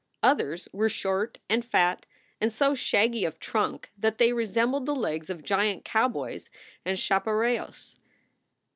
Others were short and fat and so shaggy of trunk that they resem bled the legs of giant cowboys in chaparajos.